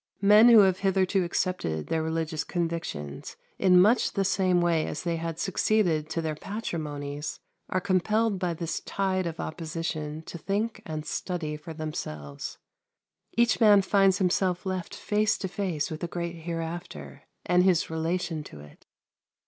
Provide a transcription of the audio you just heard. Men who have hitherto accepted their religious convictions in much the same way as they had succeeded to their patrimonies are compelled by this tide of opposition to think and study for themselves. Each man finds himself left face to face with the great hereafter, and his relation to it.